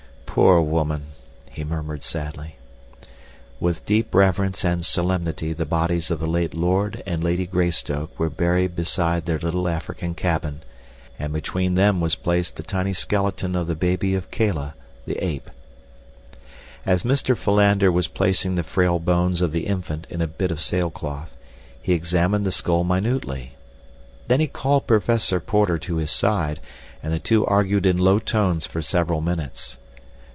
Poor woman," he murmured sadly. With deep reverence and solemnity the bodies of the late Lord and Lady Greystoke were buried beside their little African cabin, and between them was placed the tiny skeleton of the baby of Kala, the ape. As Mr. Philander was placing the frail bones of the infant in a bit of sail cloth, he examined the skull minutely. Then he called Professor Porter to his side, and the two argued in low tones for several minutes.